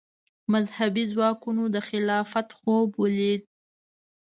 مذهبي ځواکونو د خلافت خوب ولید